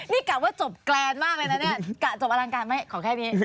นี่กลับว่าจบแกรนมากเลยนะจบอลังการขอแค่นี้